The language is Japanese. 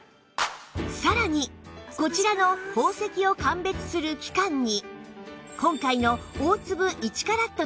さらにこちらの宝石を鑑別する機関に